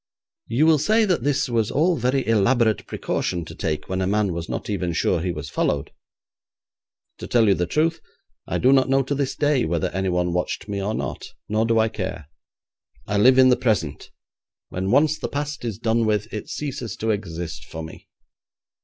You will say that this was all very elaborate precaution to take when a man was not even sure he was followed. To tell you the truth, I do not know to this day whether anyone watched me or not, nor do I care. I live in the present: when once the past is done with, it ceases to exist for me.